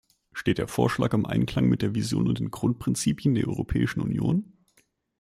Steht der Vorschlag im Einklang mit der Vision und den Grundprinzipien der Europäischen Union?